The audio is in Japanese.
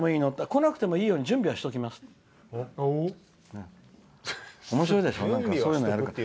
来なくてもいいように準備はしておきますって。